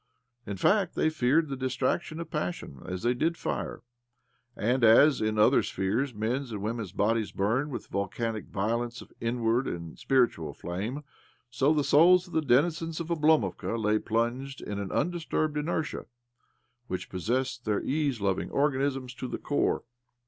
In; fact, they feared the distraction of passionf as they did fire ; and as, in other spheres J men's and women's bodies bum with thq volcanic violence of inward and spiritual flame, so the souls of the denizens of Oblo movka lay plunged in an undisturbed inertia which possessed their ease loving organisms'; to the core.